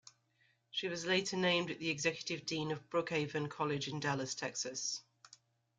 She was later named the Executive Dean of Brookhaven College in Dallas, Texas.